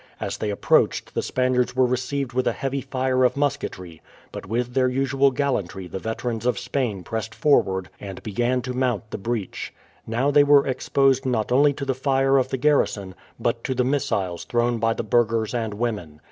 As they approached the Spaniards were received with a heavy fire of musketry; but with their usual gallantry the veterans of Spain pressed forward and began to mount the breach. Now they were exposed not only to the fire of the garrison, but to the missiles thrown by the burghers and women.